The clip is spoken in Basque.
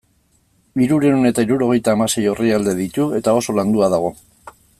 Hirurehun eta hirurogeita hamasei orrialde ditu eta oso landua dago.